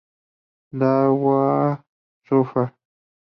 Darkwave surfer.